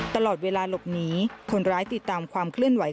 ตลอดเวลาหลบหนีคนร้ายติดตามความเคลื่อนไหว